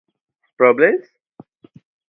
Problems?